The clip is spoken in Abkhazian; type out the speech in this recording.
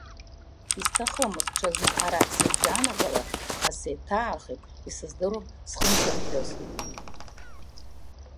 Исҭахымызт ҽазны арахь сыбжьанагалар, аха сеиҭаахит, исыздыруам схынзырҳәыз.